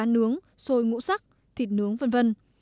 nướng xôi ngũ sắc thịt nướng v v